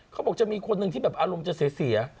เขาบอกจะมีคนหนึ่งที่แบบอารมณ์จะเสีย